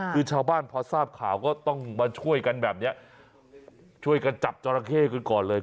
คือชาวบ้านพอทราบข่าวก็ต้องมาช่วยกันแบบนี้ช่วยกันจับจอราเข้กันก่อนเลย